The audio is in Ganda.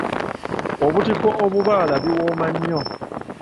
Obutiko obubaala biwooma nnyo.